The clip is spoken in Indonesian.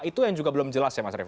itu yang juga belum jelas ya mas arief